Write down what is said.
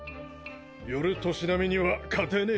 寄る年なみには勝てねえ